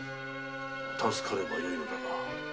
助かればよいのだが。